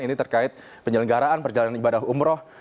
ini terkait penyelenggaraan perjalanan ibadah umroh